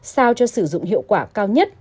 sao cho sử dụng hiệu quả cao nhất